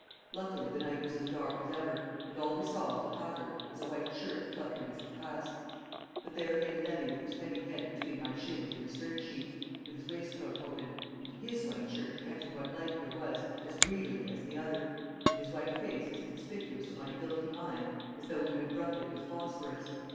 Luckily the night was as dark as ever, and all we saw of the paddler was a white shirt fluttering as it passed. But there lay Levy with his heavy head between my shins in the stern sheets, with his waistcoat open, and his white shirt catching what light there was as greedily as the other; and his white face as conspicuous to my guilty mind as though we had rubbed it with phosphorus.